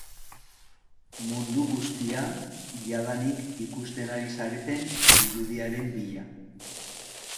Mundu guztia, jadanik ikusten ari zareten irudiaren bila.